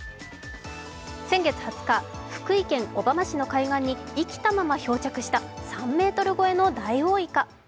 先月２０日、福井県小浜市の海岸に生きたまま漂着した３ｍ超えのダイオウイカ。